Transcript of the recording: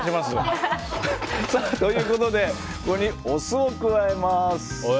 ということでここにお酢を加えます。